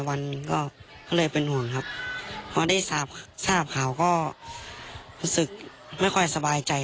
วันหนึ่งก็เลยเป็นห่วงครับพอได้ทราบข่าวก็รู้สึกไม่ค่อยสบายใจ